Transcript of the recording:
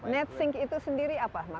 net sink itu sendiri apa